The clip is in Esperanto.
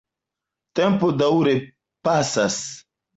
Tempo daŭre pasas.